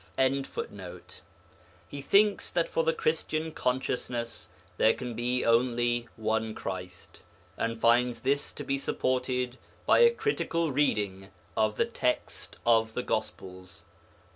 ] He thinks that for the Christian consciousness there can be only one Christ, and finds this to be supported by a critical reading of the text of the Gospels.